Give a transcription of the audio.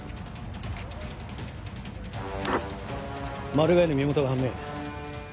マルガイの身元が判明。